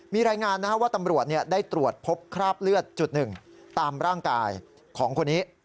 มีรายงานว่าตำรวจได้ตรวจพบคราบเลือดจุดหนึ่งตามร่างกายของคนนี้